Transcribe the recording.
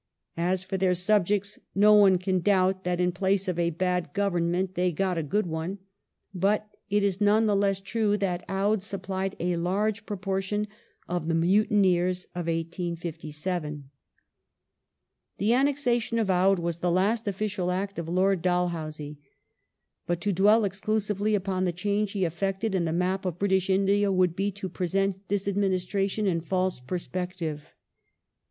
As for their subjects, no one can doubt that in place of a bad government they got a good one. But it is none the less true that Oudh supplied a large proportion of the mutineers of '57. The annexation of Oudh was the last official act of Lord Dal Internal housie. But to dwell exclusively upon the change he effected in ^^^^^^ the map of British India would be to present this administration in false perspective.